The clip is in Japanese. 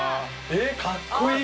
えっかっこいい！